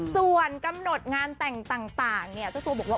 ส่วนกำหนดงานแต่งต่างเนี่ยเจ้าตัวบอกว่า